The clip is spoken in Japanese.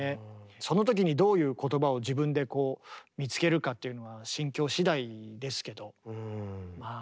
その時にどういう言葉を自分でこう見つけるかっていうのは心境しだいですけどまあ